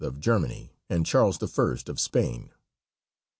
of Germany, and Charles I., of Spain.